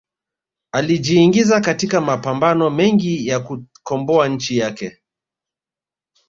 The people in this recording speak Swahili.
alijiingiza katika mapambano mengi ya kukomboa nchi yake